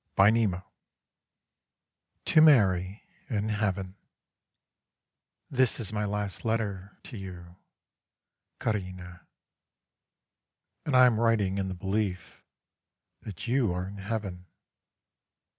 XXXVII "TO MARY, IN HEAVEN" This is my last letter to you, Carina, and I am writing in the belief that you are in heaven.